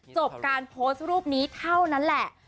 จบการโพสต์รูปนี้เท่านั้นแหละ